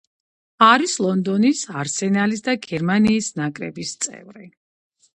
არის ლონდონის „არსენალის“ და გერმანიის ნაკრების წევრი.